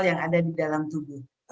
yang ada di dalam tubuh